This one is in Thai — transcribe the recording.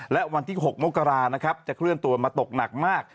และวันที่๖มกรานะครับจะเคลื่อนตัวมาตกหนักมาก